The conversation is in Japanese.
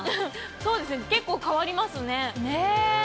そうですね、結構変わりますねぇ。